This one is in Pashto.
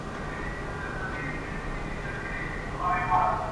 او چي هر څونه زړېږم منندوی مي د خپل ژوند یم!